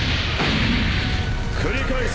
繰り返す。